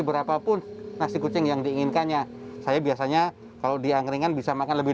berapapun nasi kucing yang diinginkannya saya biasanya kalau diangkringan bisa makan lebih